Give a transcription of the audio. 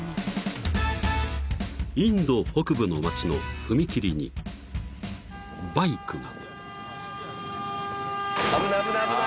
［インド北部の街の踏み切りにバイクが］